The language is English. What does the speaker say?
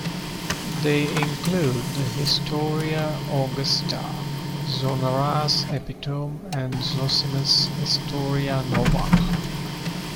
They include the Historia Augusta, Zonaras' epitome and Zosimus' Historia Nova.